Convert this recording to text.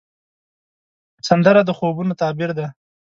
سندره د خوبونو تعبیر دی